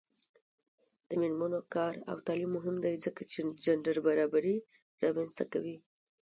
د میرمنو کار او تعلیم مهم دی ځکه چې جنډر برابري رامنځته کوي.